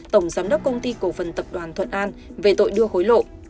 tổng giám đốc công ty cổ phần tập đoàn thuận an về tội đưa hối lộ